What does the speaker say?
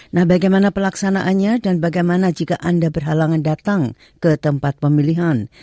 nah bagaimana pelaksanaannya dan bagaimana jika anda berhalangan datang ke tempat pemilihan